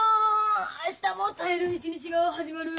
明日も耐える一日が始まる。